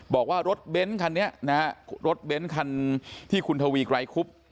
บอกว่ารถเบนส์คันนี้รถเบนส์คันที่คุณทวีไกรครุป